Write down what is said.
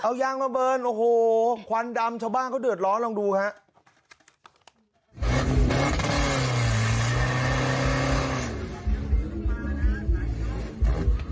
เอายางมาเบิร์นโอ้โหควันดำชาวบ้านเขาเดือดร้อนลองดูครับ